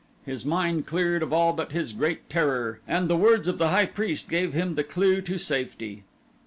His mind cleared of all but his great terror and the words of the high priest gave him the clue to safety.